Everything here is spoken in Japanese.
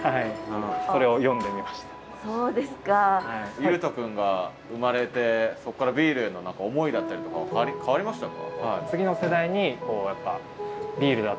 悠人くんが生まれてそこからビールへの思いだったりとかは変わりましたか？